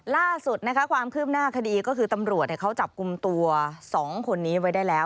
ล่าสุดนะคะความคืบหน้าคดีก็คือตำรวจเขาจับกลุ่มตัว๒คนนี้ไว้ได้แล้ว